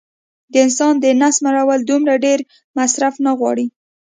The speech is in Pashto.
د انسان د نس مړول دومره ډېر مصرف نه غواړي